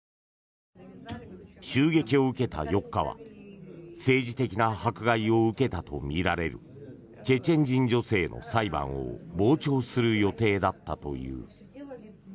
襲撃を受けた４日は政治的な迫害を受けたとみられるチェチェン人女性の裁判を傍聴する予定だったという。